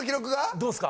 どうですか？